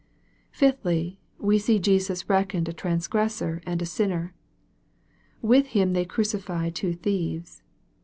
Fifthly, we see Jesus reckoned a transgressor and a sinner. " With him they crucify two thieves."